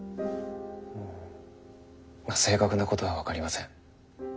正確なことは分かりません。